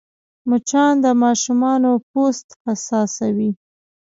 مچان د ماشومانو پوست حساسوې